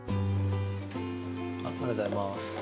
ありがとうございます。